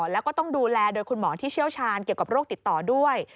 แล้วก็ต้องดูแลโดยคุณหมอที่เชี่ยวชาญเกี่ยวกับโรคติดต่อด้วย